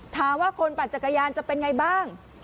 ถามว่าคนปั่นจักรยานจะเป็นไงบ้าง